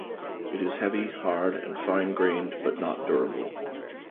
It is heavy, hard, and fine grained but not durable.